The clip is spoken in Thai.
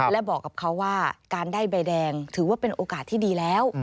และบอกกับเขาว่าการได้ใบแดงถือว่าเป็นโอกาสที่ดีแล้ว